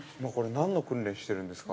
◆何の訓練してるんですか。